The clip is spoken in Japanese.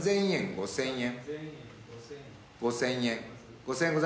５，０００円。